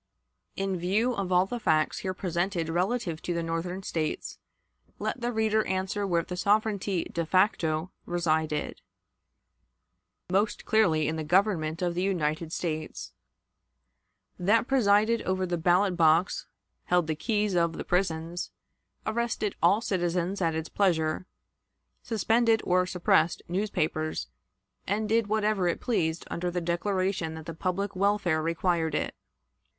In view of all the facts here presented relative to the Northern States, let the reader answer where the sovereignty de facto resided. Most clearly in the Government of the United States. That presided over the ballot box, held the keys of the prisons, arrested all citizens at its pleasure, suspended or suppressed newspapers, and did whatever it pleased under the declaration that the public welfare required it.